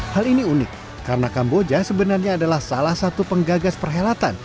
hal ini unik karena kamboja sebenarnya adalah salah satu penggagas perhelatan